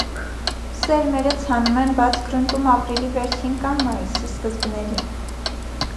Սերմերը ցանում են բաց գրունտում ապրիլի վերջին կամ մայիսի սկզբներին։